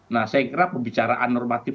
nah saya kira pembicaraan normatif